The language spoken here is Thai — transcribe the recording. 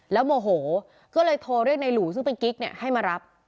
แล้วโมโหก็เลยโทรเรียกในหลู่ซึ่งเป็นกิ๊กเนี่ยให้มารับ